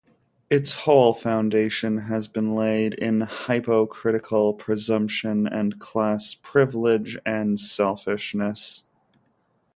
Its whole foundation has been laid in hypocritical presumption and class privilege and selfishness.